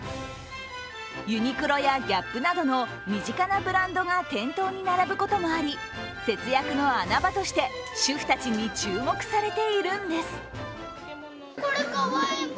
ユニクロやＧＡＰなどの身近なブランドが店頭に並ぶこともあり節約の穴場として主婦たちに注目されているんです。